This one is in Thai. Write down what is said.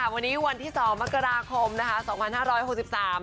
วันนี้วันที่สองมกราคมนะคะสองพันห้าร้อยหกสิบสาม